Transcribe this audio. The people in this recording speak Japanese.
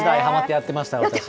やってました。